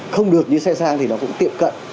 không được như xe sang thì nó cũng tiệm cận